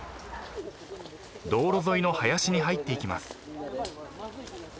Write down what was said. ［道路沿いの林に入っていきます］